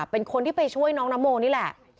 เป็นคนที่ไปช่วยน้องนโมนี่แหละ